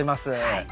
はい。